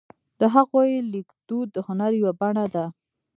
د هغوی لیکدود د هنر یوه بڼه ده.